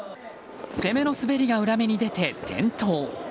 攻めの滑りが裏目に出て転倒。